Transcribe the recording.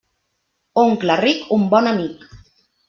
Oncle ric, un bon amic.